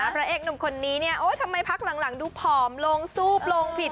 พระเอกหนุ่มคนนี้เนี่ยโอ๊ยทำไมพักหลังดูผอมลงซูบลงผิด